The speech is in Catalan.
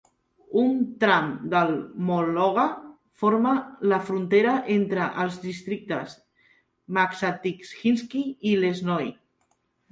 Un tram del Mologa forma la frontera entre els districtes Maksatikhinsky i Lesnoy.